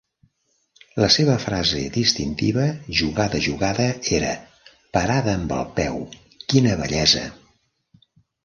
La seva frase distintiva, jugada a jugada, era "parada amb el peu, quina bellesa".